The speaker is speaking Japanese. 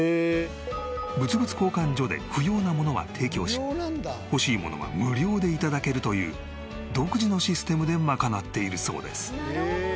物々交換所で不要なものは提供し欲しいものは無料で頂けるという独自のシステムでまかなっているそうです。